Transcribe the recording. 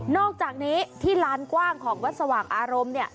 อกจากนี้ที่ลานกว้างของวัดสว่างอารมณ์เนี่ย